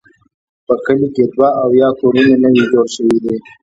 په کلي کې دوه اویا کورونه نوي جوړ شوي دي.